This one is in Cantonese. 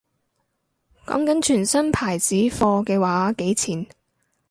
講緊全新牌子貨嘅話幾錢